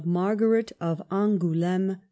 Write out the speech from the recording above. Margaret of Angouleme.